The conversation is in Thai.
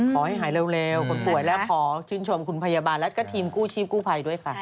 ขอให้หายเร็วคนป่วยแล้วขอชื่นชมคุณพยาบาลและก็ทีมกู้ชีพกู้ภัยด้วยค่ะ